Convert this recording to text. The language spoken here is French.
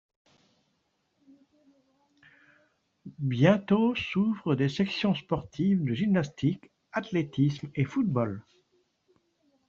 Bientôt s’ouvrent des sections sportives de gymnastique, athlétisme et football.